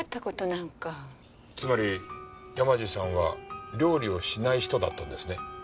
つまり山路さんは料理をしない人だったんですね？